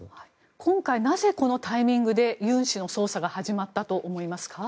今回なぜこのタイミングでユン氏の捜査が始まったと思いますか？